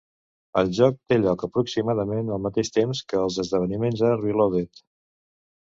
El joc té lloc aproximadament al mateix temps que els esdeveniments a "Realoaded".